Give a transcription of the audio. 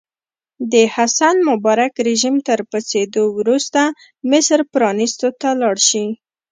د حسن مبارک رژیم تر پرځېدو وروسته مصر پرانیستو ته لاړ شي.